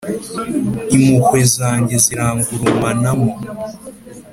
impuhwe zanjye zirangurumanamo.